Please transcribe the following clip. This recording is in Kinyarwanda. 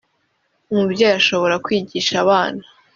umubyeyi ashobora kwigisha abana